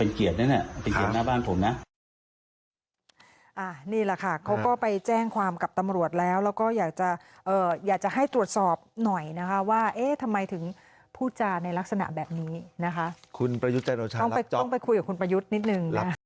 อ่านี่แหละค่ะเขาก็ไปแจ้งความกับตำรวจแล้วแล้วก็อยากจะเอ่ออยากจะให้ตรวจสอบหน่อยนะคะว่าเอ๊ะทำไมถึงพูดจาในลักษณะแบบนี้นะคะคุณประยุทธ์จันโอชาต้องไปต้องไปคุยกับคุณประยุทธ์นิดหนึ่ง